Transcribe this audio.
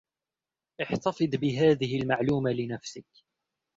احتفظ بهذه المعلومة لنفسك.